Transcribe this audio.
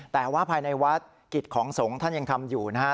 แต่ว่าภายในวัดกิจของสงฆ์ท่านยังทำอยู่นะฮะ